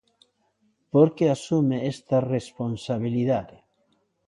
Por que asume esta responsabilidade?